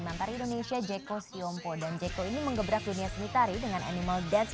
mantar indonesia jeko sionpo dan jeko ini mengembrak dunia seni tari dengan animal dance